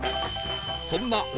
そんな鬼